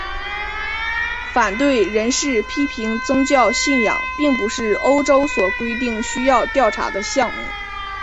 反对人士批评宗教信仰并不是欧盟所规定需要调查的项目。